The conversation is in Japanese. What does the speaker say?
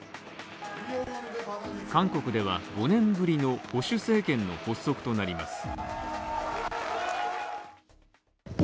韓国では、５年ぶりの保守政権の発足となります。